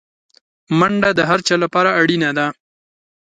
منډه د هر چا لپاره اړینه ده